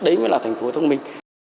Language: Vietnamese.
đấy mới là thành phố thông minh